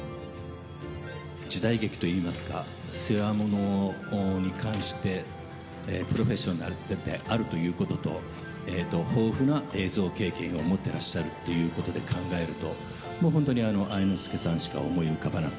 時代劇といいますか、世話物に関して、プロフェッショナルであるということと、豊富な映像経験を持っていらっしゃるということで考えると、もう本当に愛之助さんしか思い浮かばなく。